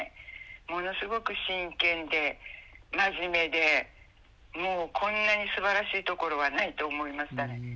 ものすごく真剣で真面目でもうこんなに素晴らしい所はないと思いましたね